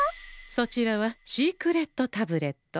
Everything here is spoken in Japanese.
そちらは「シークレットタブレット」。